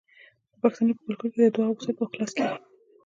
د پښتنو په کلتور کې د دعا غوښتل په اخلاص کیږي.